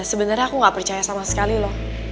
sebenernya aku gak percaya sama sekali loh